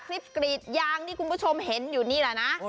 กรีดยางที่คุณผู้ชมเห็นอยู่นี่แหละนะ